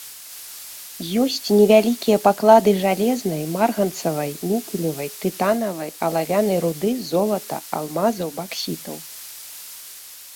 Ёсць невялікія паклады жалезнай, марганцавай, нікелевай, тытанавай, алавянай руды, золата, алмазаў, баксітаў.